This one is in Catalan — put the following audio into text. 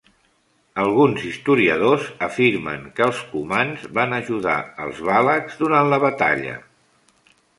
Alguns historiadors afirmen que els cumans van ajudar els valacs durant la batalla.